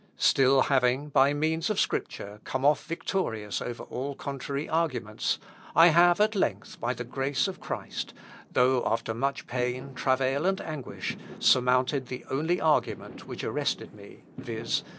Still having, by means of Scripture, come off victorious over all contrary arguments, I have at length, by the grace of Christ, though after much pain, travail, and anguish, surmounted the only argument which arrested me, viz.